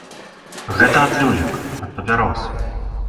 Гэта ад люлек, ад папярос.